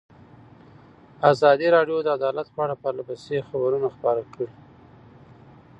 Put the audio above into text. ازادي راډیو د عدالت په اړه پرله پسې خبرونه خپاره کړي.